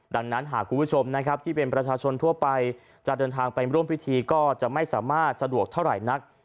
ดังนั้นหากคุณผู้ชมนะครับที่เป็นประชาชนทั่วไปจะเดินทางไปร่วมพิธีก็จะไม่สามารถสะดวกเท่าไหร่นัก